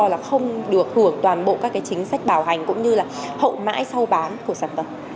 là không được hưởng toàn bộ các cái chính sách bảo hành cũng như là hậu mãi sau bán của sản phẩm